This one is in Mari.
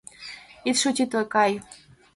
— Ит шутитле, кай.